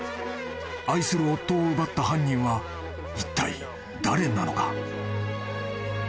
［愛する夫を奪った犯人はいったい誰なのか？］